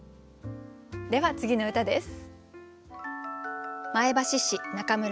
では次の歌です。